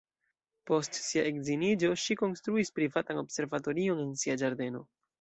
Post sia edziniĝo, ŝi konstruis privatan observatorion en sia ĝardeno.